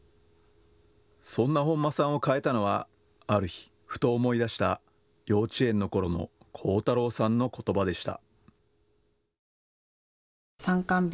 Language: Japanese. そんな本間さんを変えたのはある日、ふと思い出した幼稚園のころの光太郎さんのことばでした。